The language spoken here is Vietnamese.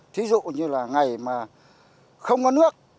thí dụ như là ngày mà không có nước